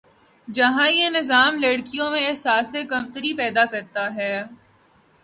جہاں یہ نظام لڑکیوں میں احساسِ کمتری پیدا کرتا ہے